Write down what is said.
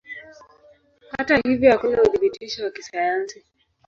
Hata hivyo hakuna uthibitisho wa kisayansi.